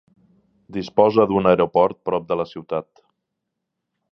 Disposa d'un aeroport prop de la ciutat.